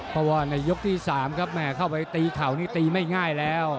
เพราะว่าในยกที่๓ครับแม่เข้าไปตีเข่านี่ตีไม่ง่ายแล้ว